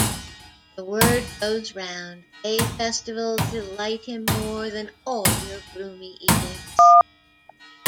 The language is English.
The word goes round: 'Gay festivals delight him more than all your gloomy edicts.